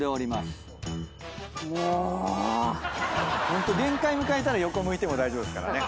ホント限界迎えたら横向いても大丈夫ですからね。